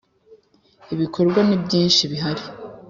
Ibikorwa nibyishi Bihari.